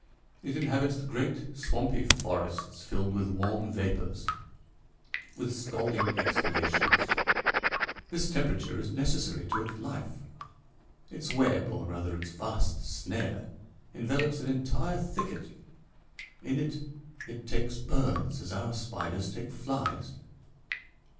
It inhabits the great, swampy forests filled with warm vapors, with scalding exhalations; this temperature is necessary to its life. Its web, or rather its vast snare, envelops an entire thicket. In it it takes birds as our spiders take flies.